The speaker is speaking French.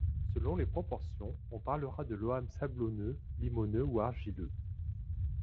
Selon les proportions, on parlera de loam sablonneux, limoneux ou argileux.